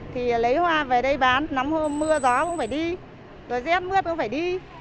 thì lấy hoa về đây bán năm hôm mưa gió cũng phải đi rồi rét mưa cũng phải đi